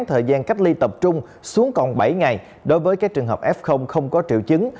thời gian cách ly tập trung xuống còn bảy ngày đối với các trường hợp f không có triệu chứng